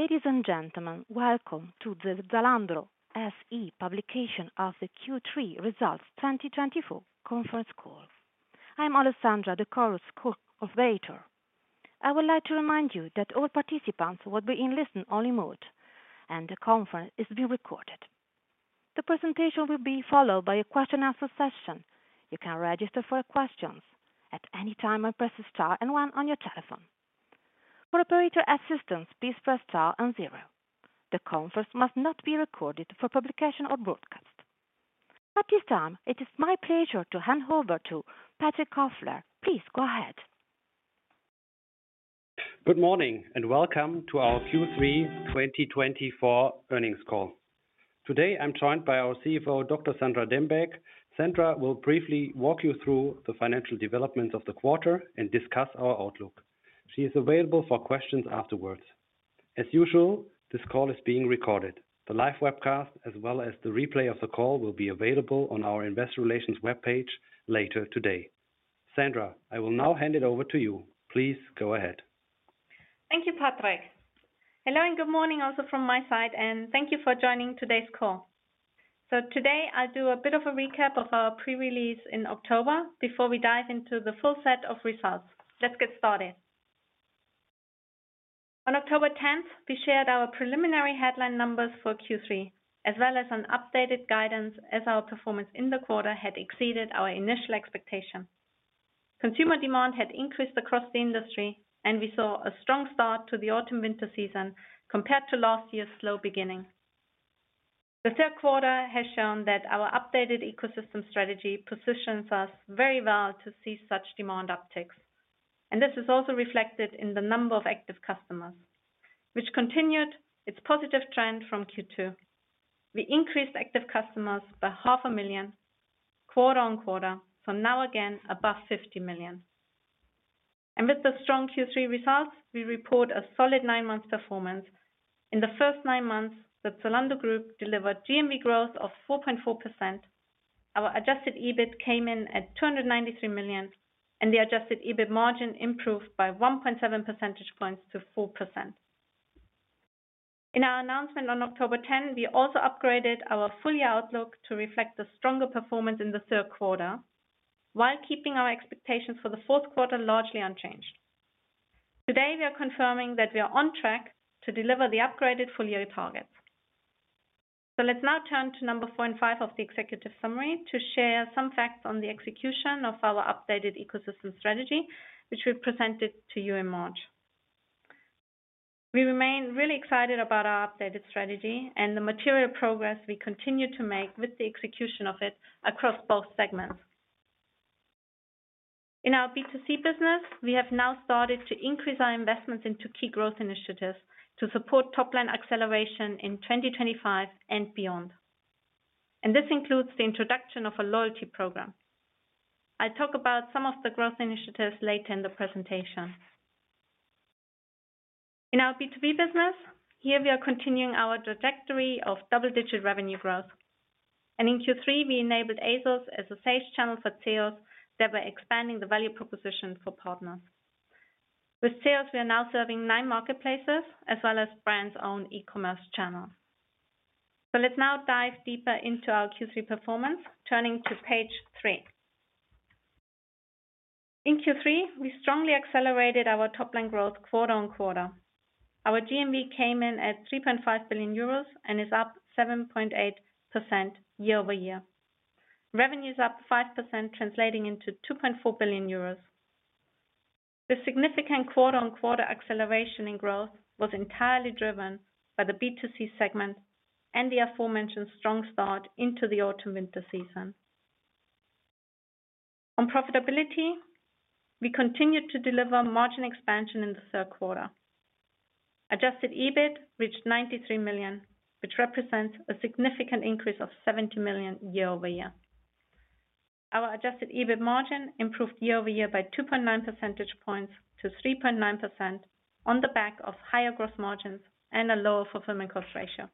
Ladies and gentlemen, welcome to the Zalando SE publication of the Q3 Results 2024 conference call. I'm Alessandra Di Coro, Chorus Call operator. I would like to remind you that all participants will be in listen-only mode, and the conference is being recorded. The presentation will be followed by a question-and-answer session. You can register for questions at any time and press star and one on your telephone. For operator assistance, please press star and zero. The conference must not be recorded for publication or broadcast. At this time, it is my pleasure to hand over to Patrick Kofler. Please go ahead. Good morning and welcome to our Q3 2024 earnings call. Today, I'm joined by our CFO, Dr. Sandra Dembeck. Sandra will briefly walk you through the financial developments of the quarter and discuss our outlook. She is available for questions afterwards. As usual, this call is being recorded. The live webcast, as well as the replay of the call, will be available on our investor relations webpage later today. Sandra, I will now hand it over to you. Please go ahead. Thank you, Patrick. Hello and good morning also from my side, and thank you for joining today's call. So today, I'll do a bit of a recap of our pre-release in October before we dive into the full set of results. Let's get started. On October 10th, we shared our preliminary headline numbers for Q3, as well as an updated guidance, as our performance in the quarter had exceeded our initial expectation. Consumer demand had increased across the industry, and we saw a strong start to the autumn-winter season compared to last year's slow beginning. The third quarter has shown that our updated ecosystem strategy positions us very well to see such demand upticks, and this is also reflected in the number of active customers, which continued its positive trend from Q2. We increased active customers by 500,000 quarter-on-quarter, so now again above 50 million. With the strong Q3 results, we report a solid nine-month performance. In the first nine months, the Zalando Group delivered GMV growth of 4.4%. Our Adjusted EBIT came in at 293 million, and the Adjusted EBIT margin improved by 1.7 percentage points to 4%. In our announcement on October 10, we also upgraded our full-year outlook to reflect the stronger performance in the third quarter, while keeping our expectations for the fourth quarter largely unchanged. Today, we are confirming that we are on track to deliver the upgraded full-year targets. Let's now turn to number four and five of the executive summary to share some facts on the execution of our updated ecosystem strategy, which we presented to you in March. We remain really excited about our updated strategy and the material progress we continue to make with the execution of it across both segments. In our B2C business, we have now started to increase our investments into key growth initiatives to support top-line acceleration in 2025 and beyond, and this includes the introduction of a loyalty program. I'll talk about some of the growth initiatives later in the presentation. In our B2B business, here we are continuing our trajectory of double-digit revenue growth, and in Q3, we enabled ASOS as a ZEOS channel for ZEOS that were expanding the value proposition for partners. With ZEOS, we are now serving nine marketplaces as well as brands' own e-commerce channels, so let's now dive deeper into our Q3 performance, turning to page three. In Q3, we strongly accelerated our top-line growth quarter-on-quarter. Our GMV came in at 3.5 billion euros and is up 7.8% year-over-year. Revenue is up 5%, translating into 2.4 billion euros. This significant quarter-on-quarter acceleration in growth was entirely driven by the B2C segment and the aforementioned strong start into the autumn-winter season. On profitability, we continued to deliver margin expansion in the third quarter. Adjusted EBIT reached 93 million, which represents a significant increase of 70 million year-over-year. Our Adjusted EBIT margin improved year-over-year by 2.9 percentage points to 3.9% on the back of higher gross margins and a lower fulfillment cost ratio.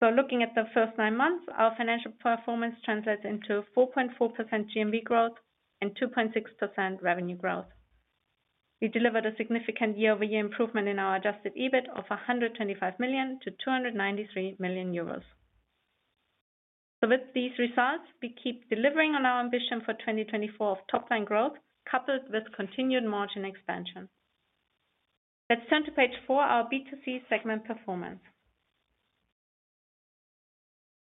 So looking at the first nine months, our financial performance translates into 4.4% GMV growth and 2.6% revenue growth. We delivered a significant year-over-year improvement in our Adjusted EBIT of 125 million to 293 million euros. So with these results, we keep delivering on our ambition for 2024 of top-line growth, coupled with continued margin expansion. Let's turn to page four, our B2C segment performance.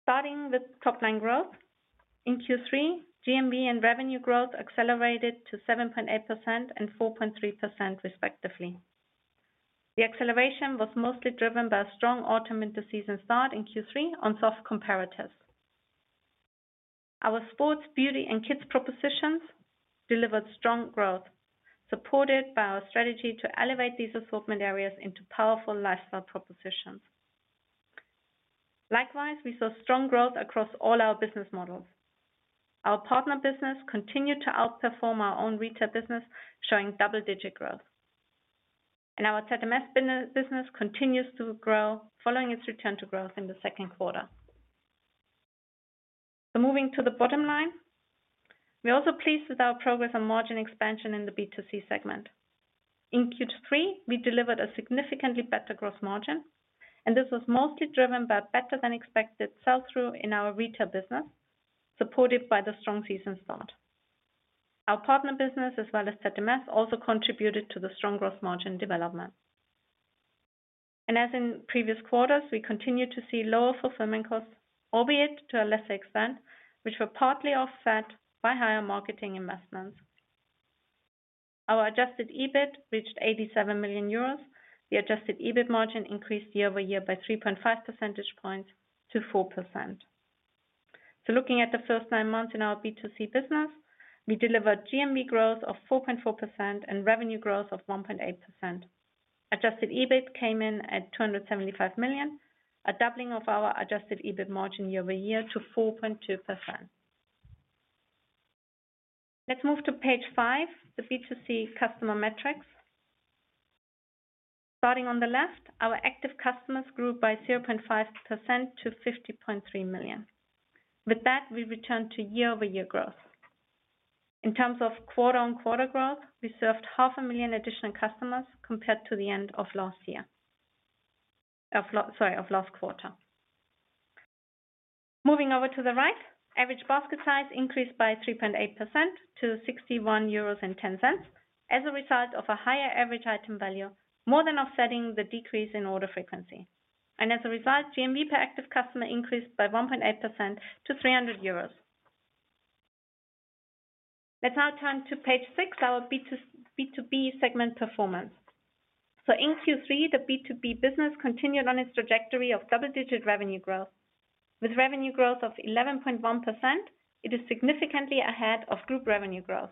Starting with top-line growth, in Q3, GMV and revenue growth accelerated to 7.8% and 4.3%, respectively. The acceleration was mostly driven by a strong autumn-winter season start in Q3 on soft comparatives. Our sports, beauty, and kids propositions delivered strong growth, supported by our strategy to elevate these assortment areas into powerful lifestyle propositions. Likewise, we saw strong growth across all our business models. Our partner business continued to outperform our own retail business, showing double-digit growth, and our Offprice business continues to grow following its return to growth in the second quarter, so moving to the bottom line, we're also pleased with our progress on margin expansion in the B2C segment. In Q3, we delivered a significantly better gross margin, and this was mostly driven by better-than-expected sell-through in our retail business, supported by the strong season start. Our partner business, as well as Offprice, also contributed to the strong gross margin development, and as in previous quarters, we continued to see lower fulfillment costs, albeit to a lesser extent, which were partly offset by higher marketing investments. Our Adjusted EBIT reached 87 million euros. The Adjusted EBIT margin increased year-over-year by 3.5 percentage points to 4%. So, looking at the first nine months in our B2C business, we delivered GMV growth of 4.4% and revenue growth of 1.8%. Adjusted EBIT came in at 275 million EUR, a doubling of our Adjusted EBIT margin year-over-year to 4.2%. Let's move to page five, the B2C customer metrics. Starting on the left, our active customers grew by 0.5% to 50.3 million. With that, we returned to year-over-year growth. In terms of quarter-on-quarter growth, we served 500,000 additional customers compared to the end of last year, sorry, of last quarter. Moving over to the right, average basket size increased by 3.8% to 61.10 euros as a result of a higher average item value, more than offsetting the decrease in order frequency. And as a result, GMV per active customer increased by 1.8% to 300 euros. Let's now turn to page six, our B2B segment performance. So in Q3, the B2B business continued on its trajectory of double-digit revenue growth. With revenue growth of 11.1%, it is significantly ahead of group revenue growth.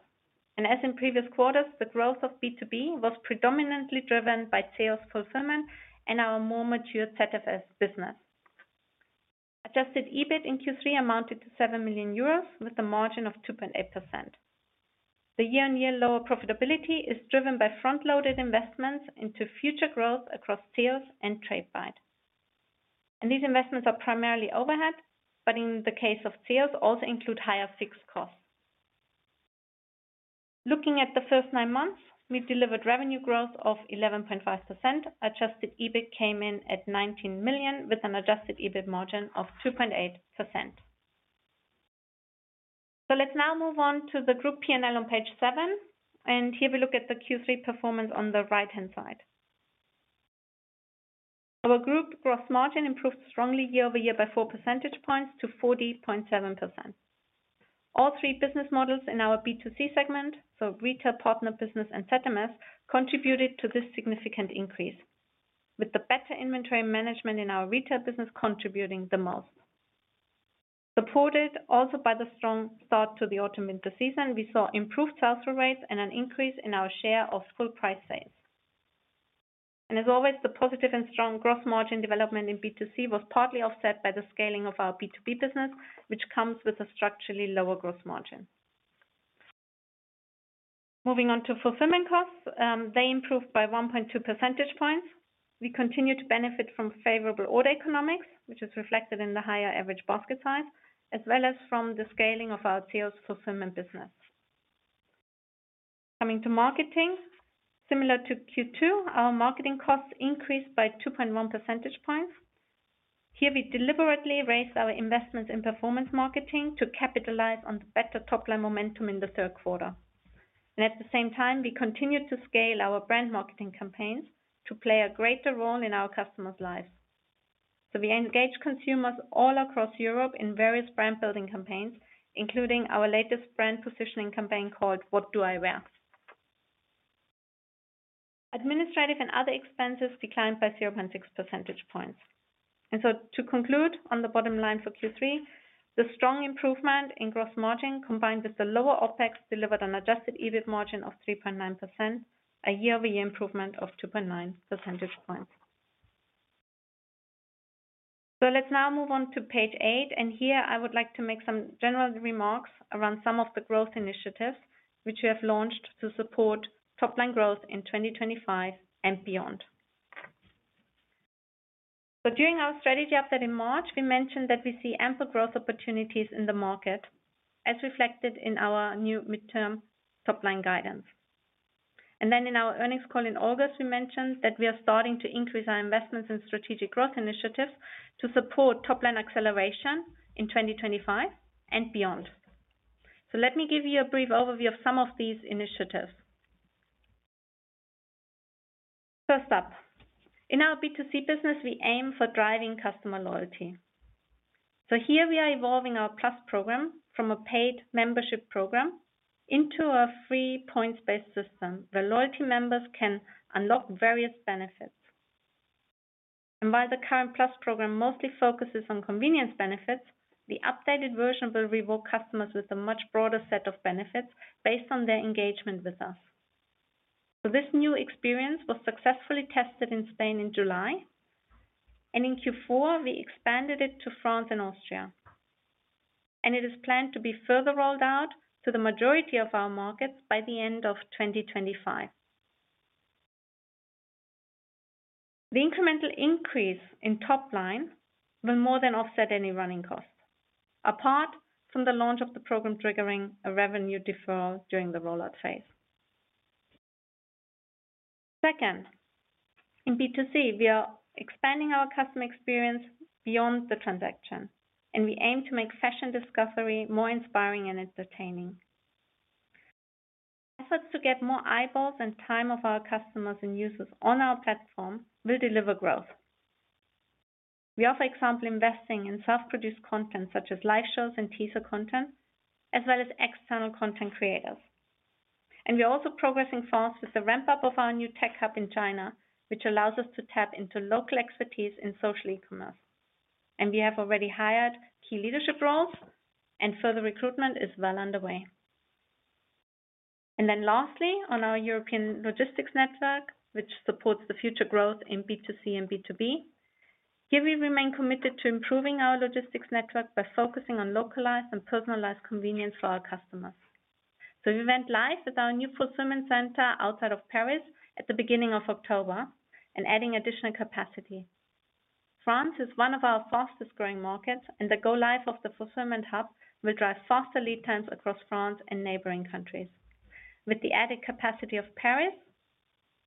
And as in previous quarters, the growth of B2B was predominantly driven by ZEOS fulfillment and our more mature Offprice business. Adjusted EBIT in Q3 amounted to 7 million euros with a margin of 2.8%. The year-on-year lower profitability is driven by front-loaded investments into future growth across ZEOS and Tradebyte. And these investments are primarily overhead, but in the case of ZEOS, also include higher fixed costs. Looking at the first nine months, we delivered revenue growth of 11.5%. Adjusted EBIT came in at 19 million with an Adjusted EBIT margin of 2.8%. So let's now move on to the group P&L on page seven. And here we look at the Q3 performance on the right-hand side. Our group gross margin improved strongly year-over-year by 4 percentage points to 40.7%. All three business models in our B2C segment, so retail partner business and Offprice, contributed to this significant increase, with the better inventory management in our retail business contributing the most. Supported also by the strong start to the autumn-winter season, we saw improved sell-through rates and an increase in our share of full-price sales, and as always, the positive and strong gross margin development in B2C was partly offset by the scaling of our B2B business, which comes with a structurally lower gross margin. Moving on to fulfillment costs, they improved by 1.2 percentage points. We continue to benefit from favorable order economics, which is reflected in the higher average basket size, as well as from the scaling of our ZEOS fulfillment business. Coming to marketing, similar to Q2, our marketing costs increased by 2.1 percentage points. Here we deliberately raised our investments in performance marketing to capitalize on the better top-line momentum in the third quarter, and at the same time, we continued to scale our brand marketing campaigns to play a greater role in our customers' lives. So we engage consumers all across Europe in various brand-building campaigns, including our latest brand positioning campaign called "What Do I Wear?". Administrative and other expenses declined by 0.6 percentage points. And so to conclude on the bottom line for Q3, the strong improvement in gross margin combined with the lower OpEx delivered an Adjusted EBIT margin of 3.9%, a year-over-year improvement of 2.9 percentage points. So let's now move on to page eight. And here I would like to make some general remarks around some of the growth initiatives which we have launched to support top-line growth in 2025 and beyond. So during our strategy update in March, we mentioned that we see ample growth opportunities in the market, as reflected in our new midterm top-line guidance. And then in our earnings call in August, we mentioned that we are starting to increase our investments in strategic growth initiatives to support top-line acceleration in 2025 and beyond. So let me give you a brief overview of some of these initiatives. First up, in our B2C business, we aim for driving customer loyalty. So here we are evolving our Plus program from a paid membership program into a free points-based system where loyalty members can unlock various benefits. And while the current Plus program mostly focuses on convenience benefits, the updated version will reward customers with a much broader set of benefits based on their engagement with us. So this new experience was successfully tested in Spain in July. And in Q4, we expanded it to France and Austria. It is planned to be further rolled out to the majority of our markets by the end of 2025. The incremental increase in top-line will more than offset any running costs, apart from the launch of the program triggering a revenue deferral during the rollout phase. Second, in B2C, we are expanding our customer experience beyond the transaction. We aim to make fashion discovery more inspiring and entertaining. Efforts to get more eyeballs and time of our customers and users on our platform will deliver growth. We are, for example, investing in self-produced content such as live shows and teaser content, as well as external content creators. We are also progressing fast with the ramp-up of our new tech hub in China, which allows us to tap into local expertise in social e-commerce. We have already hired key leadership roles, and further recruitment is well underway. And then lastly, on our European logistics network, which supports the future growth in B2C and B2B, here we remain committed to improving our logistics network by focusing on localized and personalized convenience for our customers. So we went live with our new fulfillment center outside of Paris at the beginning of October and adding additional capacity. France is one of our fastest-growing markets, and the go-live of the fulfillment hub will drive faster lead times across France and neighboring countries. With the added capacity of Paris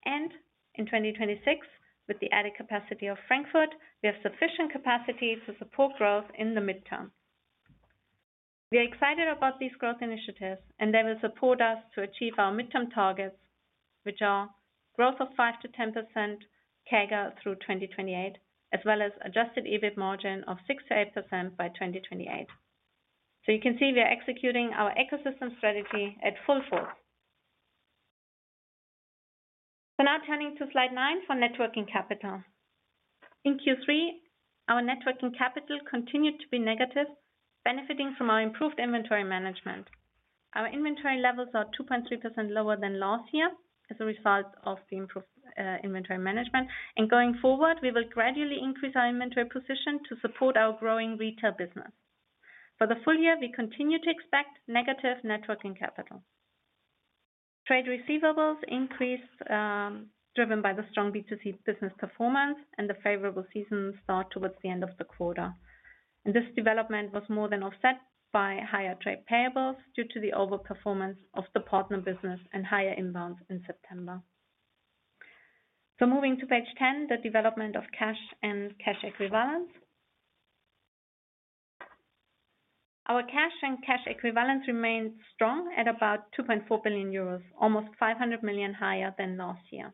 and in 2026, with the added capacity of Frankfurt, we have sufficient capacity to support growth in the midterm. We are excited about these growth initiatives, and they will support us to achieve our midterm targets, which are growth of 5%-10% CAGR through 2028, as well as Adjusted EBIT margin of 6%-8% by 2028. You can see we are executing our ecosystem strategy at full force. So now turning to slide nine for net working capital. In Q3, our net working capital continued to be negative, benefiting from our improved inventory management. Our inventory levels are 2.3% lower than last year as a result of the improved inventory management. And going forward, we will gradually increase our inventory position to support our growing retail business. For the full-year, we continue to expect negative net working capital. Trade receivables increased driven by the strong B2C business performance and the favorable season start towards the end of the quarter. And this development was more than offset by higher trade payables due to the overperformance of the partner business and higher inbounds in September. So moving to page 10, the development of cash and cash equivalents. Our cash and cash equivalents remained strong at about 2.4 billion euros, almost 500 million higher than last year.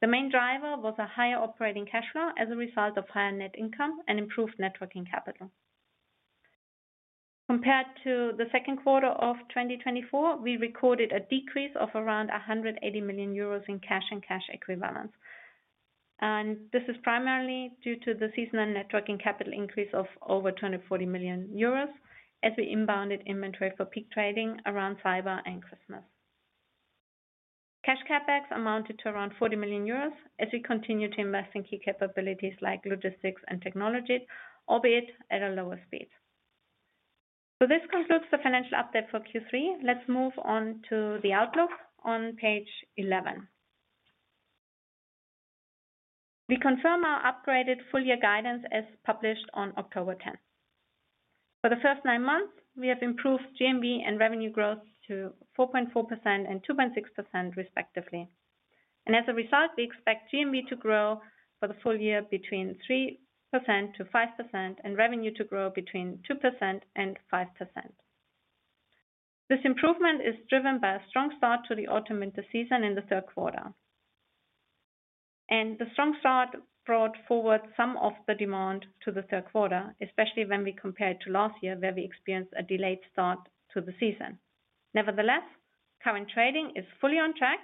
The main driver was a higher operating cash flow as a result of higher net income and improved working capital. Compared to the second quarter of 2024, we recorded a decrease of around 180 million euros in cash and cash equivalents. And this is primarily due to the seasonal working capital increase of over 240 million euros as we inbounded inventory for peak trading around Cyber and Christmas. Cash CapEx amounted to around 40 million euros as we continue to invest in key capabilities like logistics and technology, albeit at a lower speed. So this concludes the financial update for Q3. Let's move on to the outlook on page 11. We confirm our upgraded full-year guidance as published on October 10. For the first nine months, we have improved GMV and revenue growth to 4.4% and 2.6%, respectively. As a result, we expect GMV to grow for the full-year between 3%-5% and revenue to grow between 2% and 5%. This improvement is driven by a strong start to the autumn-winter season in the third quarter. The strong start brought forward some of the demand to the third quarter, especially when we compare it to last year, where we experienced a delayed start to the season. Nevertheless, current trading is fully on track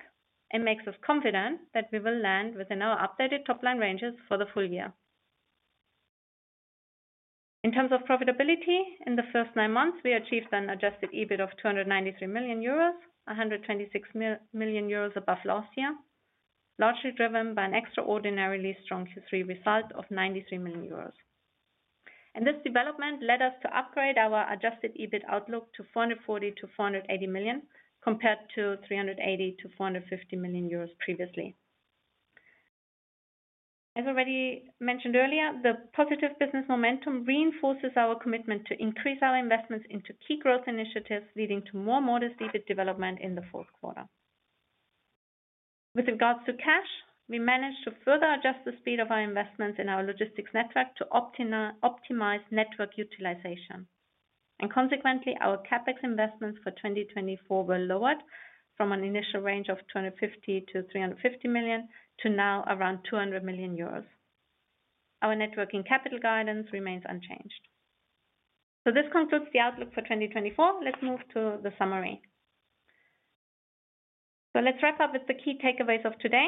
and makes us confident that we will land within our updated top-line ranges for the full-year. In terms of profitability, in the first nine months, we achieved an Adjusted EBIT of 293 million euros, 126 million euros above last year, largely driven by an extraordinarily strong Q3 result of 93 million euros. This development led us to upgrade our Adjusted EBIT outlook to 440 million-480 million compared to 380 million-450 million euros previously. As already mentioned earlier, the positive business momentum reinforces our commitment to increase our investments into key growth initiatives leading to more modest EBIT development in the fourth quarter. With regards to cash, we managed to further adjust the speed of our investments in our logistics network to optimize network utilization. Consequently, our CapEx investments for 2024 were lowered from an initial range of 250 million-350 million to now around 200 million euros. Our Net Working Capital guidance remains unchanged. This concludes the outlook for 2024. Let's move to the summary. Let's wrap up with the key takeaways of today.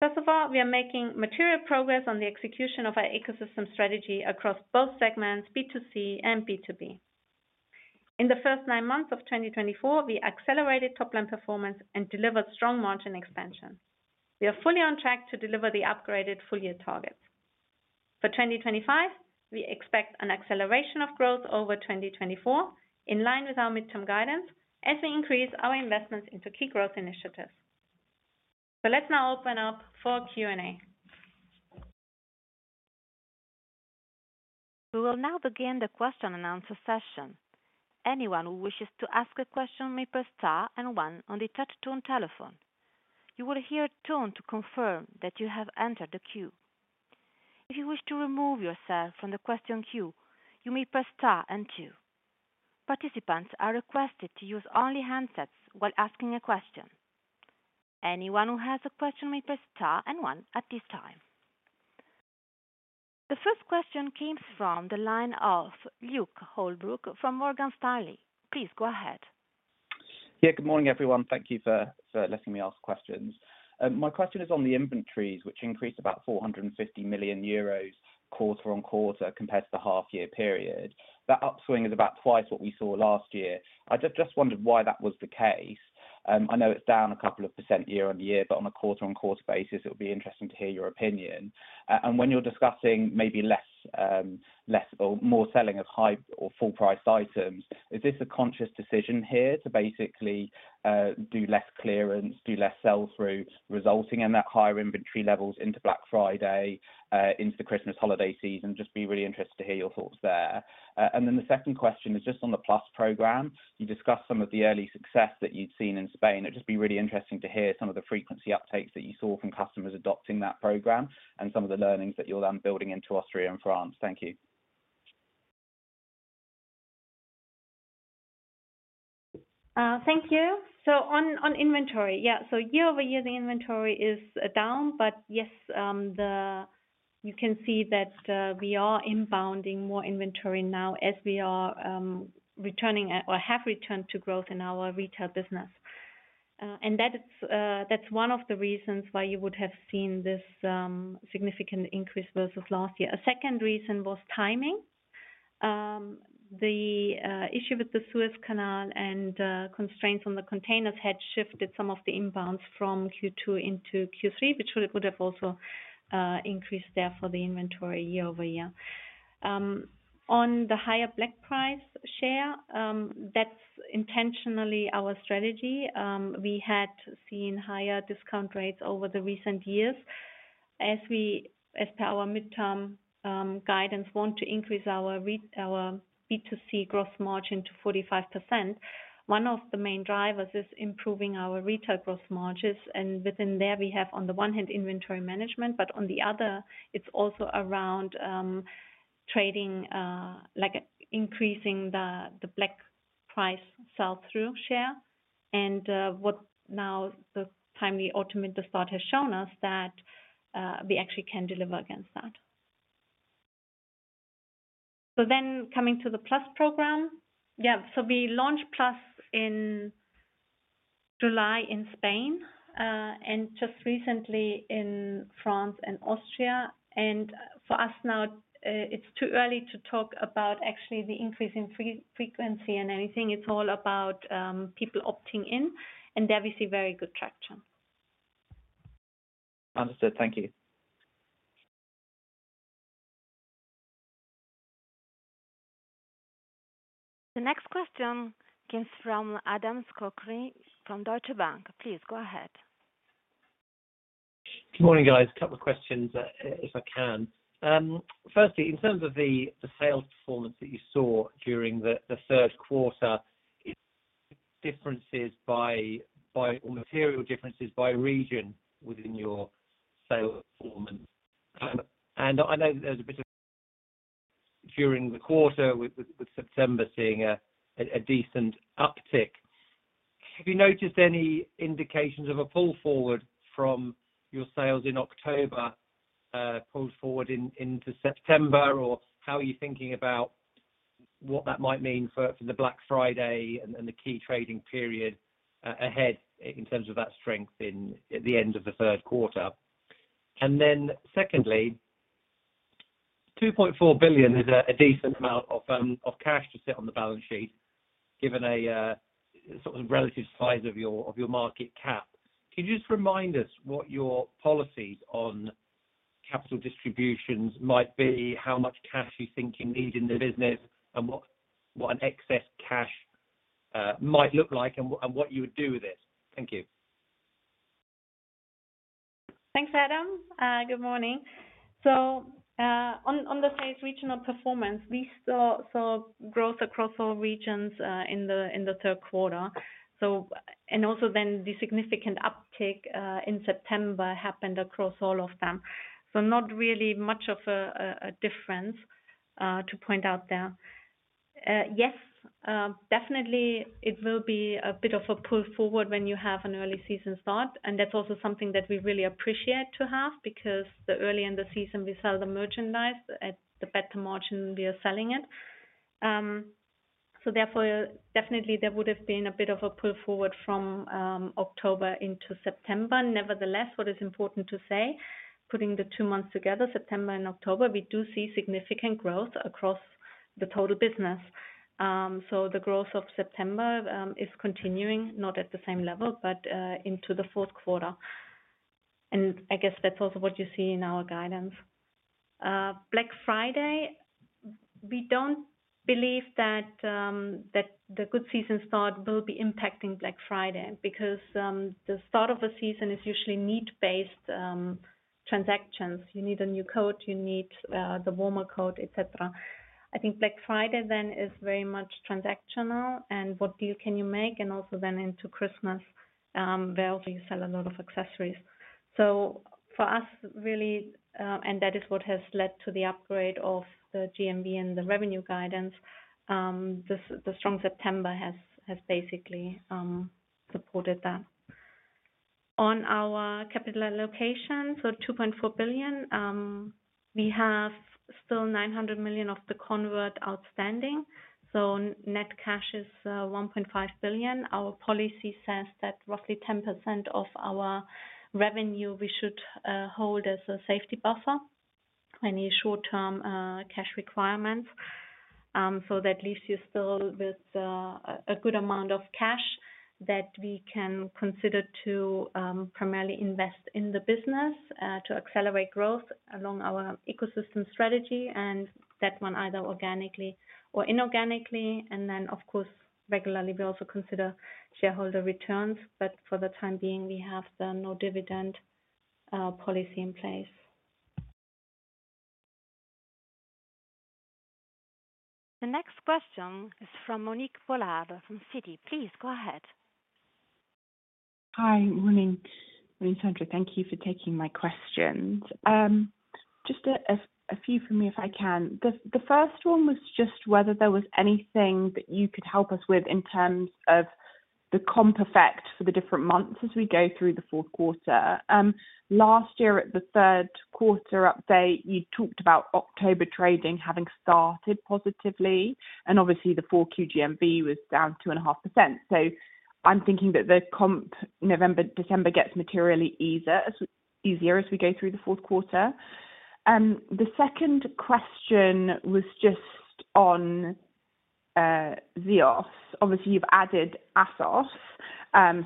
First of all, we are making material progress on the execution of our ecosystem strategy across both segments, B2C and B2B. In the first nine months of 2024, we accelerated top-line performance and delivered strong margin expansion. We are fully on track to deliver the upgraded full-year targets. For 2025, we expect an acceleration of growth over 2024 in line with our midterm guidance as we increase our investments into key growth initiatives. So let's now open up for Q&A. We will now begin the question and answer session. Anyone who wishes to ask a question may press star and one on the touch-tone telephone. You will hear a tone to confirm that you have entered the queue. If you wish to remove yourself from the question queue, you may press star and two. Participants are requested to use only handsets while asking a question. Anyone who has a question may press star and one at this time. The first question came from the line of Luke Holbrook from Morgan Stanley. Please go ahead. Yeah, good morning, everyone. Thank you for letting me ask questions. My question is on the inventories, which increased about 450 million euros quarter-on-quarter compared to the half-year period. That upswing is about twice what we saw last year. I just wondered why that was the case. I know it's down a couple of percent year-on-year, but on a quarter-on-quarter basis, it would be interesting to hear your opinion. And when you're discussing maybe less or more selling of high or full-priced items, is this a conscious decision here to basically do less clearance, do less sell-through, resulting in that higher inventory levels into Black Friday, into the Christmas holiday season? Just be really interested to hear your thoughts there. And then the second question is just on the Plus program. You discussed some of the early success that you'd seen in Spain. It'd just be really interesting to hear some of the frequency uptakes that you saw from customers adopting that program and some of the learnings that you're then building into Austria and France. Thank you. Thank you. So on inventory, yeah. So year-over-year, the inventory is down, but yes, you can see that we are inbounding more inventory now as we are returning or have returned to growth in our retail business. And that's one of the reasons why you would have seen this significant increase versus last year. A second reason was timing. The issue with the Suez Canal and constraints on the containers had shifted some of the inbounds from Q2 into Q3, which would have also increased there for the inventory year-over-year. On the higher off-price share, that's intentionally our strategy. We had seen higher discount rates over the recent years. As per our midterm guidance, we want to increase our B2C gross margin to 45%. One of the main drivers is improving our retail gross margins, and within there, we have, on the one hand, inventory management, but on the other, it's also around trading, like increasing the full-price sell-through share, and what now the timely autumn-winter start has shown us, that we actually can deliver against that, so then coming to the Plus program, yeah, so we launched Plus in July in Spain and just recently in France and Austria, and for us now, it's too early to talk about actually the increase in frequency and anything. It's all about people opting in, and there we see very good traction. Understood. Thank you. The next question comes from Adam Cochrane from Deutsche Bank. Please go ahead. Good morning, guys. A couple of questions, if I can. Firstly, in terms of the sales performance that you saw during the third quarter, material differences by region within your sales performance. And I know that there's a bit of during the quarter with September seeing a decent uptick. Have you noticed any indications of a pull forward from your sales in October pulled forward into September? Or how are you thinking about what that might mean for the Black Friday and the key trading period ahead in terms of that strength at the end of the third quarter? And then secondly, 2.4 billion is a decent amount of cash to sit on the balance sheet given a sort of relative size of your market cap. Can you just remind us what your policies on capital distributions might be, how much cash you think you need in the business, and what an excess cash might look like, and what you would do with it? Thank you. Thanks, Adam. Good morning. So on the sales regional performance, we saw growth across all regions in the third quarter. And also then the significant uptick in September happened across all of them. So not really much of a difference to point out there. Yes, definitely, it will be a bit of a pull forward when you have an early season start. And that's also something that we really appreciate to have because the early in the season, we sell the merchandise at the better margin we are selling it. So therefore, definitely, there would have been a bit of a pull forward from October into September. Nevertheless, what is important to say, putting the two months together, September and October, we do see significant growth across the total business. So the growth of September is continuing, not at the same level, but into the fourth quarter. And I guess that's also what you see in our guidance. Black Friday, we don't believe that the good season start will be impacting Black Friday because the start of a season is usually need-based transactions. You need a new coat, you need the warmer coat, etc. I think Black Friday then is very much transactional and what deal can you make? And also then into Christmas, where also you sell a lot of accessories. So for us, really, and that is what has led to the upgrade of the GMV and the revenue guidance, the strong September has basically supported that. On our capital allocation. So, 2.4 billion, we have still 900 million of the convert outstanding. So net cash is 1.5 billion. Our policy says that roughly 10% of our revenue we should hold as a safety buffer for any short-term cash requirements. So that leaves you still with a good amount of cash that we can consider to primarily invest in the business to accelerate growth along our ecosystem strategy and that one either organically or inorganically. And then, of course, regularly, we also consider shareholder returns. But for the time being, we have the no-dividend policy in place. The next question is from Monique Pollard from Citi. Please go ahead. Hi, morning. Morning, Sandra. Thank you for taking my questions. Just a few from me, if I can. The first one was just whether there was anything that you could help us with in terms of the comp effect for the different months as we go through the fourth quarter. Last year, at the third quarter update, you talked about October trading having started positively. And obviously, the Q4 GMV was down 2.5%. So I'm thinking that the comp November-December gets materially easier as we go through the fourth quarter. The second question was just on ZEOS. Obviously, you've added ASOS.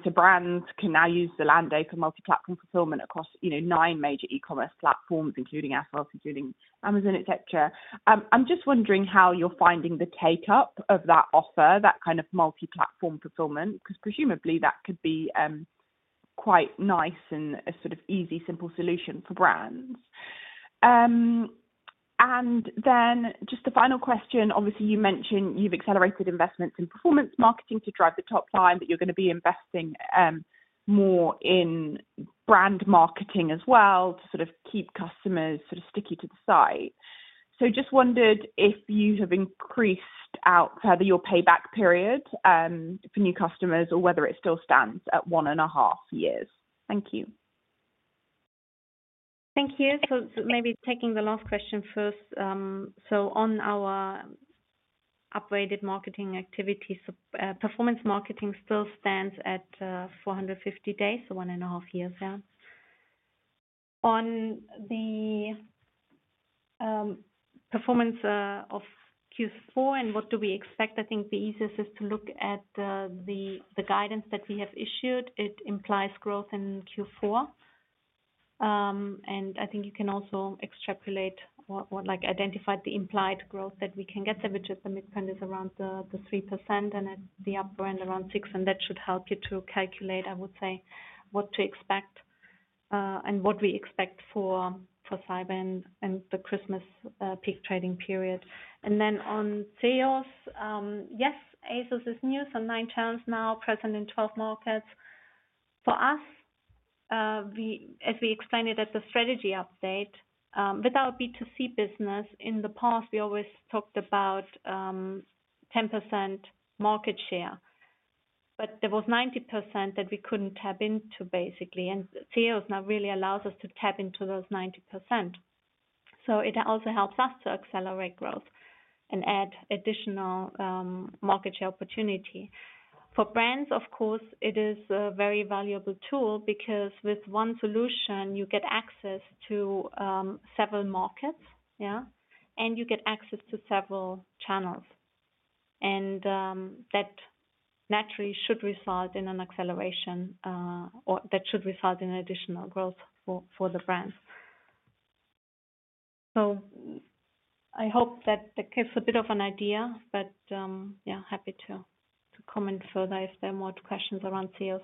So brands can now use Zalando for multi-platform fulfillment across nine major e-commerce platforms, including ASOS, including Amazon, etc. I'm just wondering how you're finding the take-up of that offer, that kind of multi-platform fulfillment, because presumably that could be quite nice and a sort of easy, simple solution for brands. And then just the final question. Obviously, you mentioned you've accelerated investments in performance marketing to drive the top line, but you're going to be investing more in brand marketing as well to sort of keep customers sort of sticky to the site. So just wondered if you have increased out further your payback period for new customers or whether it still stands at one and a half years. Thank you. Thank you. So maybe taking the last question first. So on our upgraded marketing activity, performance marketing still stands at 450 days, so one and a half years there. On the performance of Q4 and what do we expect? I think the easiest is to look at the guidance that we have issued. It implies growth in Q4. I think you can also extrapolate or identify the implied growth that we can get, which at the midterm is around the 3% and at the upper end around the 6%. That should help you to calculate, I would say, what to expect and what we expect for Cyber and the Christmas peak trading period. Then on ZEOS, yes, ASOS is new, so nine channels now present in 12 markets. For us, as we explained it at the strategy update, with our B2C business in the past, we always talked about 10% market share. But there was 90% that we couldn't tap into, basically. ZEOS now really allows us to tap into those 90%. So it also helps us to accelerate growth and add additional market share opportunity. For brands, of course, it is a very valuable tool because with one solution, you get access to several markets, yeah, and you get access to several channels, and that naturally should result in an acceleration or that should result in additional growth for the brands, so I hope that gives a bit of an idea, but yeah, happy to comment further if there are more questions around ZEOS.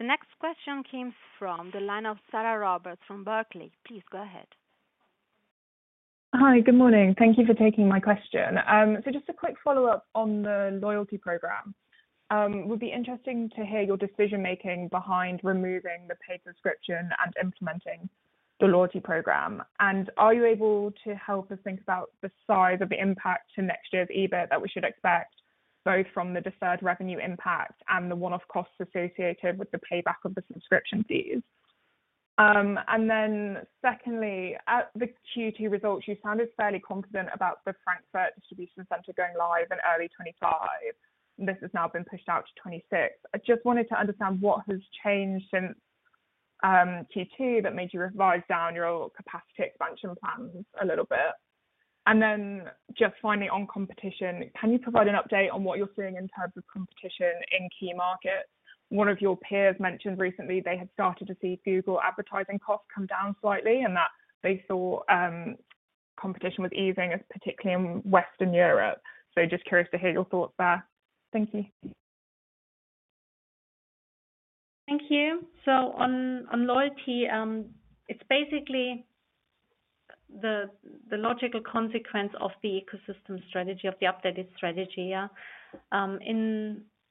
The next question came from the line of Sarah Roberts from Barclays. Please go ahead. Hi, good morning. Thank you for taking my question, so just a quick follow-up on the loyalty program. It would be interesting to hear your decision-making behind removing the paid subscription and implementing the loyalty program. Are you able to help us think about the size of the impact to next year's EBIT that we should expect, both from the deferred revenue impact and the one-off costs associated with the payback of the subscription fees? Then secondly, at the Q2 results, you sounded fairly confident about the Frankfurt Distribution Center going live in early 2025. This has now been pushed out to 2026. I just wanted to understand what has changed since Q2 that made you revise down your capacity expansion plans a little bit. And then just finally on competition, can you provide an update on what you're seeing in terms of competition in key markets? One of your peers mentioned recently they had started to see Google advertising costs come down slightly and that they saw competition was easing, particularly in Western Europe. So just curious to hear your thoughts there. Thank you. Thank you. So on loyalty, it's basically the logical consequence of the ecosystem strategy, of the updated strategy, yeah.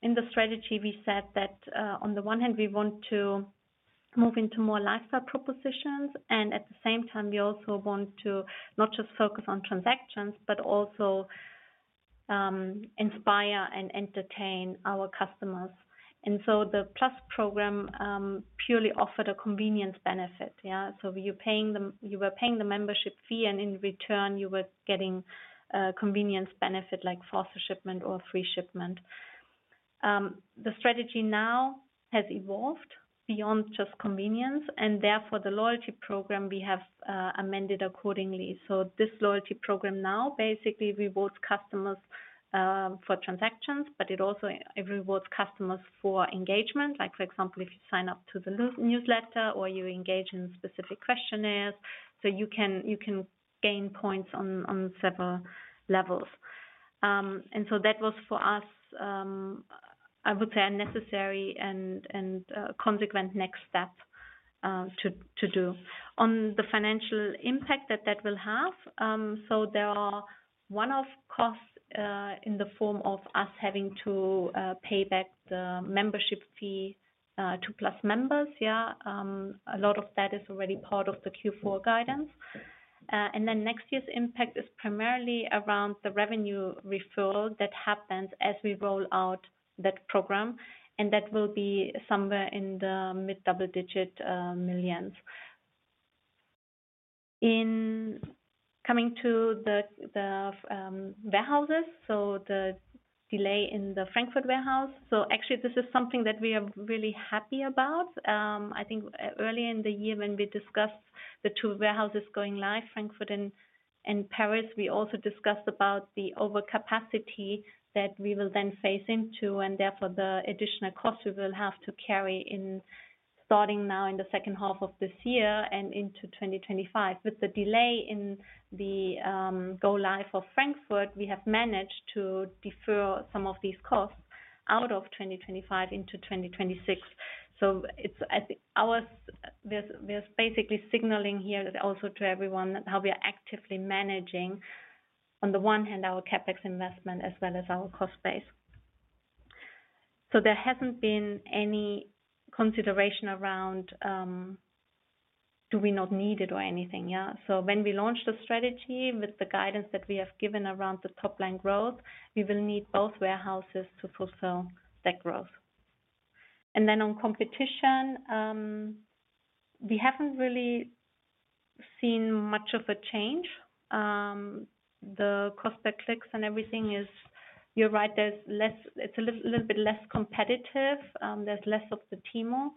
In the strategy, we said that on the one hand, we want to move into more lifestyle propositions, and at the same time, we also want to not just focus on transactions, but also inspire and entertain our customers, and so the Plus program purely offered a convenience benefit, yeah. So you were paying the membership fee, and in return, you were getting a convenience benefit like faster shipment or free shipment. The strategy now has evolved beyond just convenience, and therefore, the loyalty program we have amended accordingly, so this loyalty program now basically rewards customers for transactions, but it also rewards customers for engagement. For example, if you sign up to the newsletter or you engage in specific questionnaires, so you can gain points on several levels. And so that was, for us, I would say, a necessary and consequent next step to do. On the financial impact that that will have, so there are one-off costs in the form of us having to pay back the membership fee to Plus members, yeah. A lot of that is already part of the Q4 guidance. And then next year's impact is primarily around the revenue deferral that happens as we roll out that program. And that will be somewhere in the mid-double-digit millions. Coming to the warehouses, so the delay in the Frankfurt warehouse. So actually, this is something that we are really happy about. I think earlier in the year when we discussed the two warehouses going live, Frankfurt and Paris, we also discussed about the overcapacity that we will then phase into and therefore the additional costs we will have to carry in starting now in the second half of this year and into 2025. With the delay in the go-live of Frankfurt, we have managed to defer some of these costs out of 2025 into 2026. So there's basically signaling here also to everyone how we are actively managing, on the one hand, our CapEx investment as well as our cost base. So there hasn't been any consideration around, do we not need it or anything, yeah? So when we launched the strategy with the guidance that we have given around the top-line growth, we will need both warehouses to fulfill that growth. Then on competition, we haven't really seen much of a change. The cost per clicks and everything is, you're right, it's a little bit less competitive. There's less of the Temu,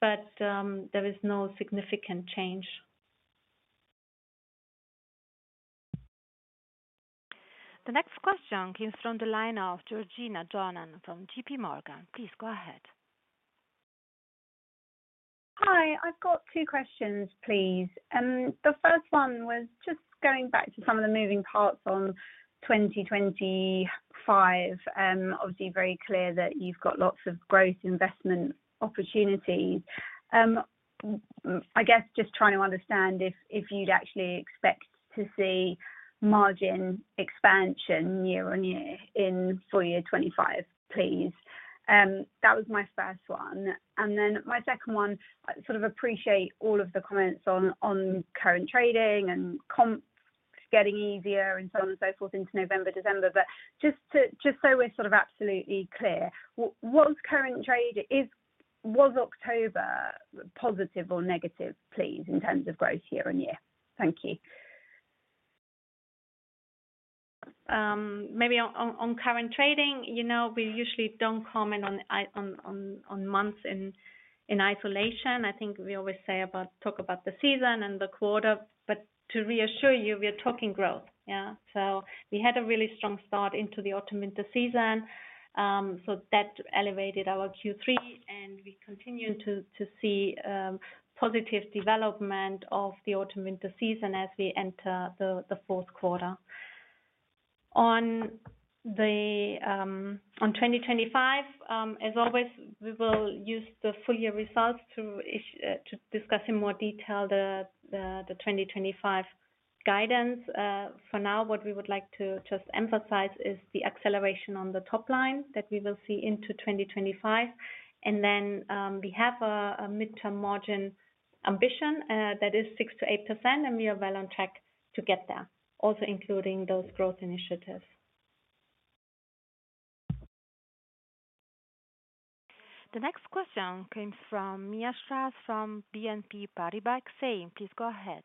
but there is no significant change. The next question comes from the line of Georgina Johanan from JPMorgan. Please go ahead. Hi, I've got two questions, please. The first one was just going back to some of the moving parts on 2025. Obviously, very clear that you've got lots of growth investment opportunities. I guess just trying to understand if you'd actually expect to see margin expansion year-on-year in full-year 2025, please. That was my first one. And then my second one, I sort of appreciate all of the comments on current trading and comps getting easier and so on and so forth into November, December. But just so we're sort of absolutely clear, was current trading was October positive or negative, please, in terms of growth year-on-year? Thank you. Maybe on current trading, we usually don't comment on months in isolation. I think we always talk about the season and the quarter. But to reassure you, we are talking growth, yeah? So we had a really strong start into the autumn-winter season. So that elevated our Q3, and we continue to see positive development of the autumn-winter season as we enter the fourth quarter. On 2025, as always, we will use the full-year results to discuss in more detail the 2025 guidance. For now, what we would like to just emphasize is the acceleration on the top line that we will see into 2025. And then we have a midterm margin ambition that is 6%-8%, and we are well on track to get there, also including those growth initiatives. The next question comes from Mia Strauss from BNP Paribas Exane. Please go ahead.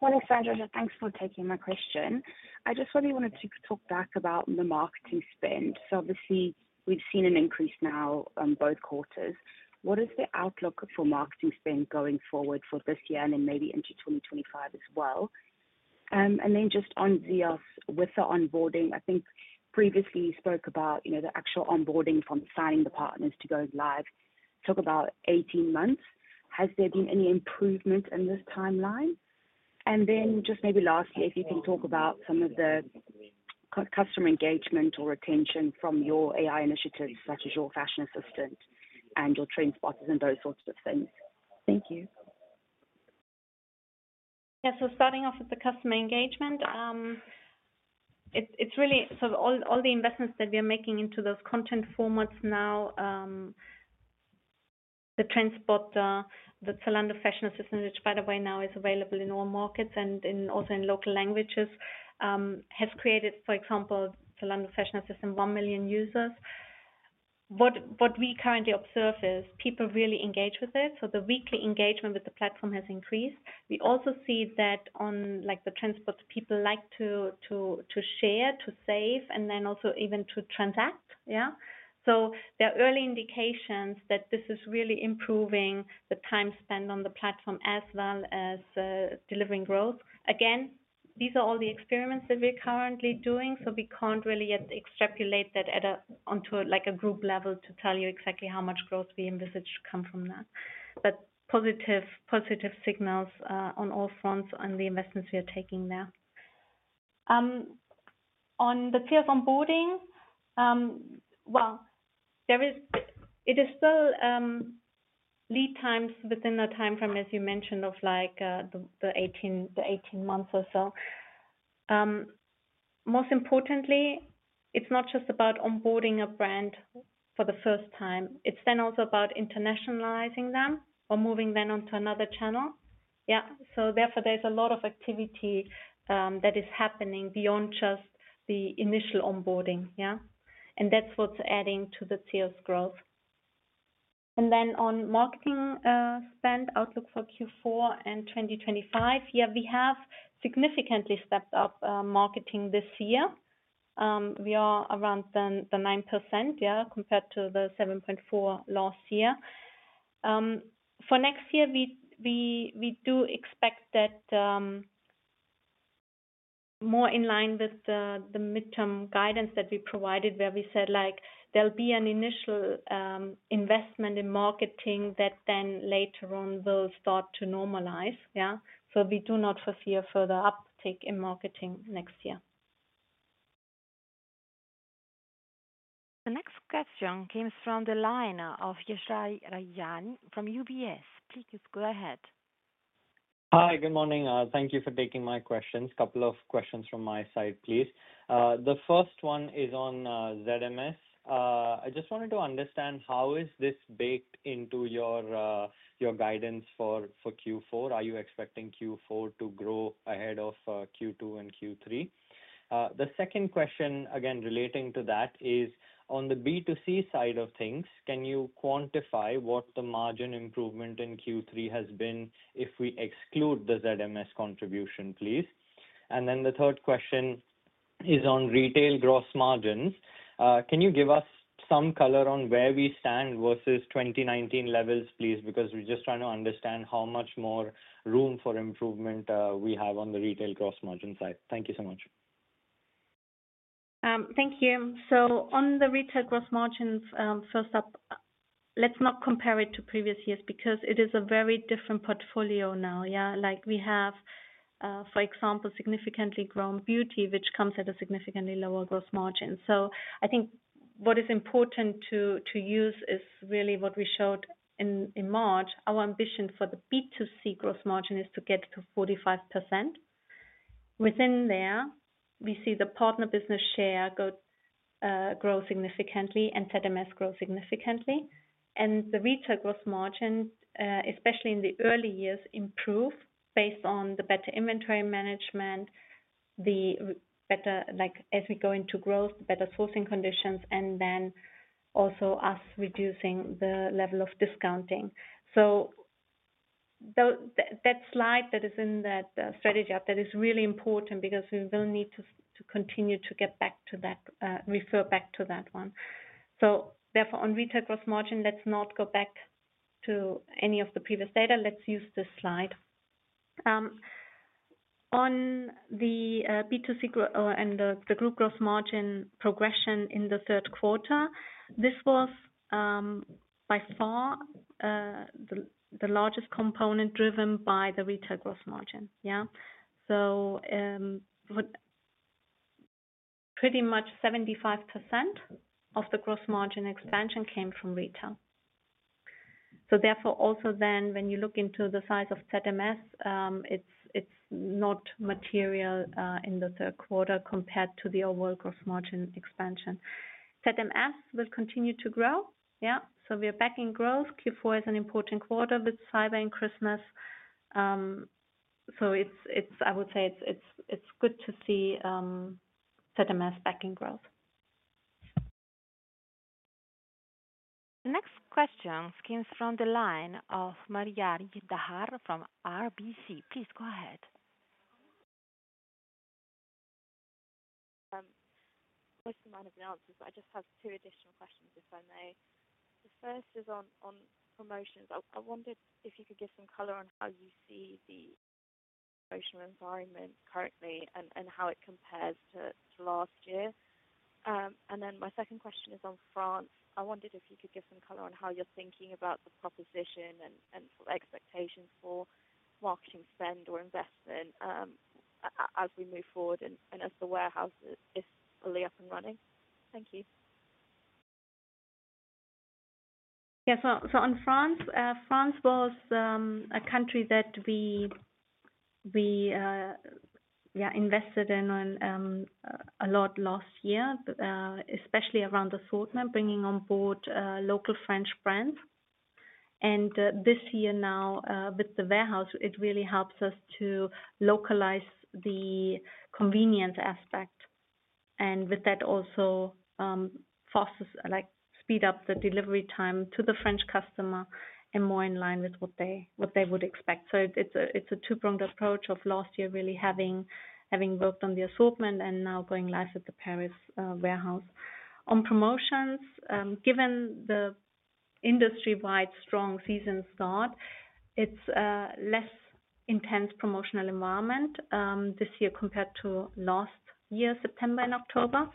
Morning, Sandra. Thanks for taking my question. I just really wanted to talk about the marketing spend. So obviously, we've seen an increase now in both quarters. What is the outlook for marketing spend going forward for this year and then maybe into 2025 as well? And then just on ZEOS, with the onboarding, I think previously you spoke about the actual onboarding from signing the partners to go live. Talk about 18 months. Has there been any improvement in this timeline? And then just maybe lastly, if you can talk about some of the customer engagement or retention from your AI initiatives, such as your fashion assistant and your Trend Spotter and those sorts of things? Thank you. Yeah, so starting off with the customer engagement, it's really sort of all the investments that we are making into those content formats now, the Trend Spotter, the Zalando Fashion Assistant, which by the way now is available in all markets and also in local languages, has created, for example, Zalando Fashion Assistant, one million users. What we currently observe is people really engage with it. So the weekly engagement with the platform has increased. We also see that on the Trend Spotter, people like to share, to save, and then also even to transact, yeah? So there are early indications that this is really improving the time spent on the platform as well as delivering growth. Again, these are all the experiments that we're currently doing, so we can't really yet extrapolate that onto a group level to tell you exactly how much growth we envisage to come from that. But positive signals on all fronts on the investments we are taking there. On the ZEOS onboarding, well, it is still lead times within the timeframe, as you mentioned, of the 18 months or so. Most importantly, it's not just about onboarding a brand for the first time. It's then also about internationalizing them or moving them onto another channel, yeah? So therefore, there's a lot of activity that is happening beyond just the initial onboarding, yeah? And that's what's adding to the ZEOS growth. And then on marketing spend, outlook for Q4 and 2025, yeah, we have significantly stepped up marketing this year. We are around the 9%, yeah, compared to the 7.4% last year. For next year, we do expect that more in line with the midterm guidance that we provided, where we said there'll be an initial investment in marketing that then later on will start to normalize, yeah? So we do not foresee a further uptick in marketing next year. The next question comes from the line of Yashraj Rajani from UBS. Please go ahead. Hi, good morning. Thank you for taking my questions. A couple of questions from my side, please. The first one is on ZMS. I just wanted to understand how is this baked into your guidance for Q4? Are you expecting Q4 to grow ahead of Q2 and Q3? The second question, again relating to that, is on the B2C side of things. Can you quantify what the margin improvement in Q3 has been if we exclude the ZMS contribution, please? And then the third question is on retail gross margins. Can you give us some color on where we stand versus 2019 levels, please? Because we're just trying to understand how much more room for improvement we have on the retail gross margin side. Thank you so much. Thank you. So on the retail gross margins, first up, let's not compare it to previous years because it is a very different portfolio now, yeah? We have, for example, significantly grown beauty, which comes at a significantly lower gross margin. So I think what is important to use is really what we showed in March. Our ambition for the B2C gross margin is to get to 45%. Within there, we see the partner business share grow significantly and ZMS grow significantly. And the retail gross margin, especially in the early years, improves based on the better inventory management, as we go into growth, the better sourcing conditions, and then also us reducing the level of discounting. So that slide that is in that strategy up, that is really important because we will need to continue to get back to that, refer back to that one. So therefore, on retail gross margin, let's not go back to any of the previous data. Let's use this slide. On the B2C and the group gross margin progression in the third quarter, this was by far the largest component driven by the retail gross margin, yeah? So pretty much 75% of the gross margin expansion came from retail. So therefore, also then, when you look into the size of ZMS, it's not material in the third quarter compared to the overall gross margin expansion. ZMS will continue to grow, yeah? So we are back in growth. Q4 is an important quarter with cyber and Christmas. So I would say it's good to see ZMS back in growth. The next question comes from the line of Manjari Dhar from RBC. Please go ahead. I just have two additional questions, if I may. The first is on promotions. I wondered if you could give some color on how you see the promotional environment currently and how it compares to last year. And then my second question is on France. I wondered if you could give some color on how you're thinking about the proposition and expectations for marketing spend or investment as we move forward and as the warehouse is fully up and running. Thank you. Yeah, so on France. France was a country that we invested in a lot last year, especially around assortment, bringing on board local French brands. And this year now, with the warehouse, it really helps us to localize the convenience aspect. And with that also speed up the delivery time to the French customer and more in line with what they would expect. So it's a two-pronged approach of last year really having worked on the assortment and now going live at the Paris warehouse. On promotions, given the industry-wide strong season start, it's a less intense promotional environment this year compared to last year, September and October.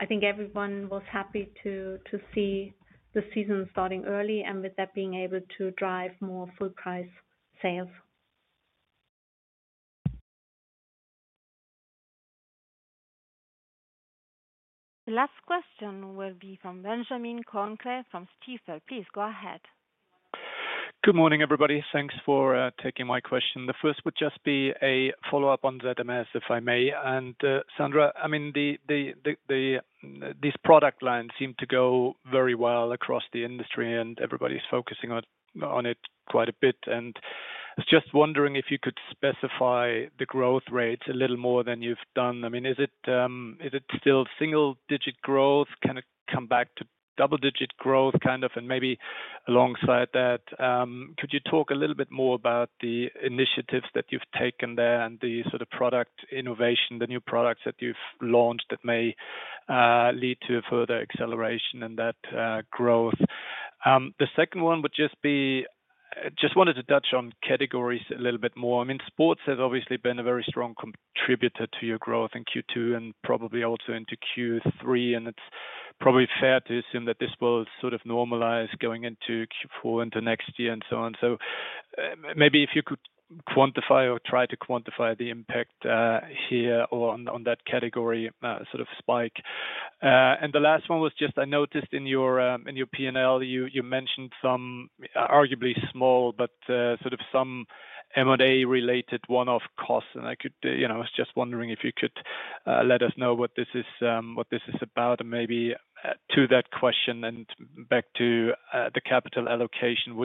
I think everyone was happy to see the season starting early and with that being able to drive more full-price sales. The last question will be from Benjamin Kohnke from Stifel. Please go ahead. Good morning, everybody. Thanks for taking my question. The first would just be a follow-up on ZMS, if I may. And Sandra, I mean, these product lines seem to go very well across the industry, and everybody's focusing on it quite a bit. And I was just wondering if you could specify the growth rates a little more than you've done. I mean, is it still single-digit growth? Can it come back to double-digit growth kind of? And maybe alongside that, could you talk a little bit more about the initiatives that you've taken there and the sort of product innovation, the new products that you've launched that may lead to further acceleration in that growth? The second one would just be I just wanted to touch on categories a little bit more. I mean, sports has obviously been a very strong contributor to your growth in Q2 and probably also into Q3. And it's probably fair to assume that this will sort of normalize going into Q4 into next year and so on. So maybe if you could quantify or try to quantify the impact here on that category sort of spike. And the last one was just I noticed in your P&L, you mentioned some arguably small, but sort of some M&A-related one-off costs. And I was just wondering if you could let us know what this is about and maybe to that question and back to the capital allocation.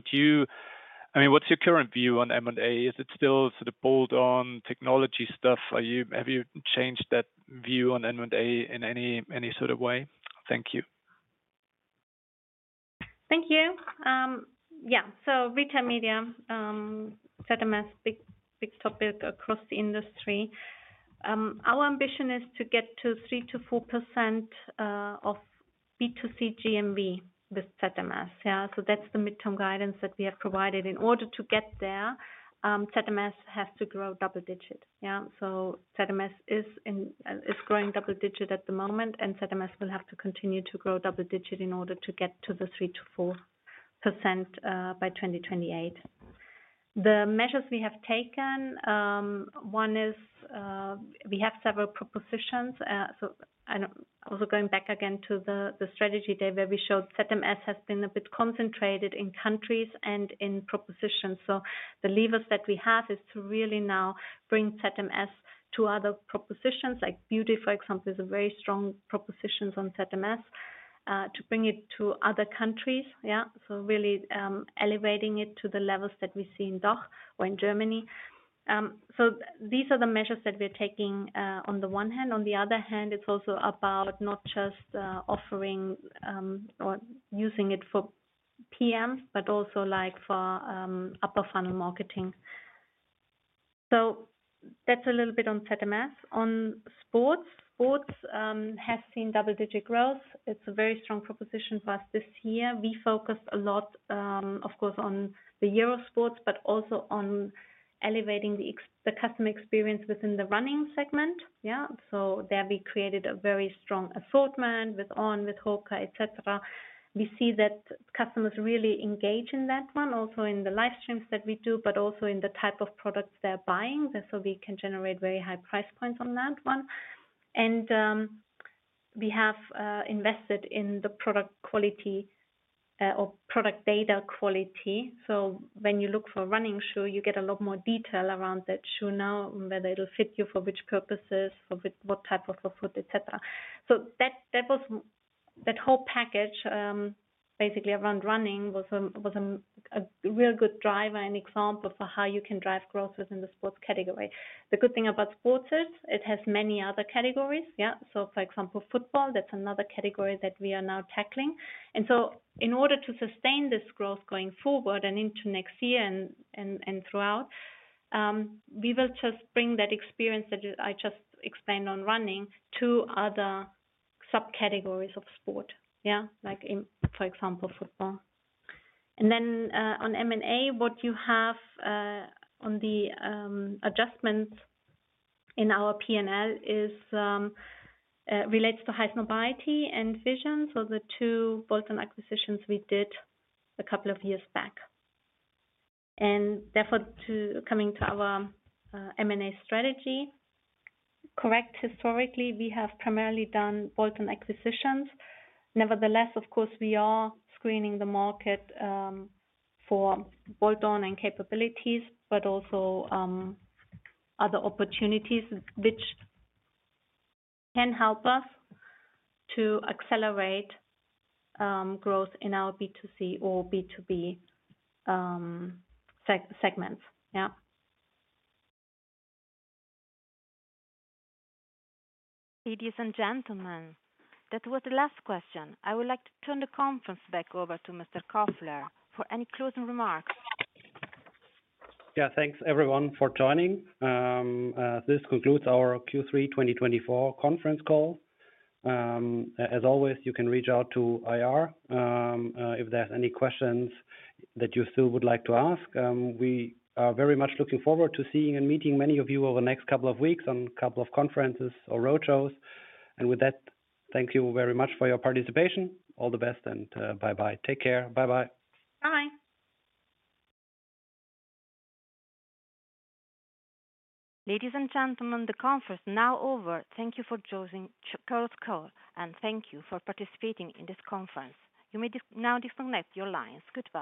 I mean, what's your current view on M&A? Is it still sort of bolt-on technology stuff? Have you changed that view on M&A in any sort of way? Thank you. Thank you. Yeah, so retail media, ZMS, big topic across the industry. Our ambition is to get to 3%-4% of B2C GMV with ZMS, yeah? So that's the midterm guidance that we have provided. In order to get there, ZMS has to grow double-digit, yeah? So ZMS is growing double-digit at the moment, and ZMS will have to continue to grow double-digit in order to get to the 3%-4% by 2028. The measures we have taken, one is we have several propositions. So also going back again to the strategy day where we showed ZMS has been a bit concentrated in countries and in propositions. So the levers that we have is to really now bring ZMS to other propositions. Like beauty, for example, is a very strong propositions on ZMS to bring it to other brands, yeah? So really elevating it to the levels that we see in DACH or in Germany. So these are the measures that we are taking on the one hand. On the other hand, it's also about not just offering or using it for PMs, but also for upper-funnel marketing. So that's a little bit on ZMS. On sports, sports has seen double-digit growth. It's a very strong proposition for us this year. We focused a lot, of course, on the Euros, but also on elevating the customer experience within the running segment, yeah? So there we created a very strong assortment with On, with Hoka, etc. We see that customers really engage in that one, also in the live streams that we do, but also in the type of products they're buying. So we can generate very high price points on that one. And we have invested in the product quality or product data quality. So when you look for a running shoe, you get a lot more detail around that shoe now, whether it'll fit you for which purposes, for what type of foot, etc. So that whole package, basically around running, was a real good driver and example for how you can drive growth within the sports category. The good thing about sports is it has many other categories, yeah? So for example, football, that's another category that we are now tackling. And so in order to sustain this growth going forward and into next year and throughout, we will just bring that experience that I just explained on running to other subcategories of sport, yeah? Like for example, football. And then on M&A, what you have on the adjustments in our P&L relates to Highsnobiety and Fision. So the two bolt-on acquisitions we did a couple of years back. And therefore, coming to our M&A strategy, correct, historically, we have primarily done bolt-on acquisitions. Nevertheless, of course, we are screening the market for bolt-ons and capabilities, but also other opportunities which can help us to accelerate growth in our B2C or B2B segments, yeah? Ladies and gentlemen, that was the last question. I would like to turn the conference back over to Mr. Kofler for any closing remarks. Yeah, thanks everyone for joining. This concludes our Q3 2024 conference call. As always, you can reach out to IR if there's any questions that you still would like to ask. We are very much looking forward to seeing and meeting many of you over the next couple of weeks on a couple of conferences or roadshows. And with that, thank you very much for your participation. All the best and bye-bye. Take care. Bye-bye. Bye. Ladies and gentlemen, the conference is now over. Thank you for choosing Chorus Call and thank you for participating in this conference. You may now disconnect your lines. Goodbye.